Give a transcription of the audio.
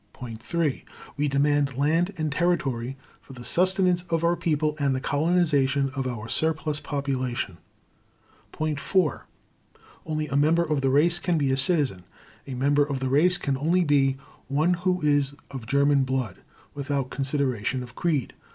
Point 3. We demand land and territory for the sustenance of our people, and the colonization of our surplus population. Point 4. Only a member of the race can be a citizen. A member of the race can only be one who is of German blood, without consideration of creed.